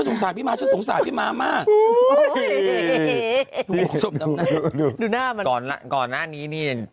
น่ามาทอลัดก่อนหน้านี้